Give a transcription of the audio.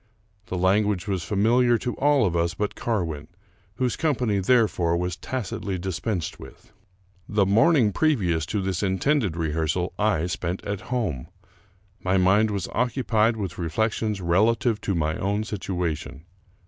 The language was familiar to all of us but Carwin, whose company, therefore, was tacitly dispensed with. The morning previous to this intended rehearsal I spent at home. My mind was occupied with reflections relative tO' my own situation.